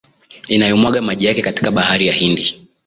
inayomwaga maji yake katika bahari ya Hindi